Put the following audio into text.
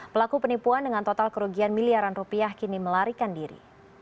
pelaku penipuan dengan total kerugian miliaran rupiah kini melarikan diri